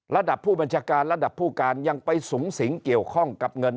ระดับผู้บัญชาการระดับผู้การยังไปสูงสิงเกี่ยวข้องกับเงิน